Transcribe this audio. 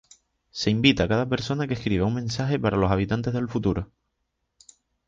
Se invita a cada persona que escriba un mensaje para los habitantes del futuro.